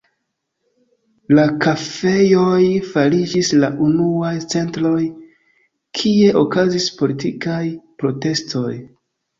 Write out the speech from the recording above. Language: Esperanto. La kafejoj fariĝis la unuaj centroj, kie okazis politikaj protestoj.